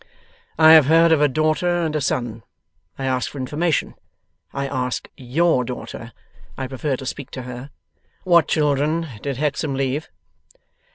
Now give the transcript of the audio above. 'I have heard of a daughter, and a son. I ask for information; I ask YOUR daughter; I prefer to speak to her. What children did Hexam leave?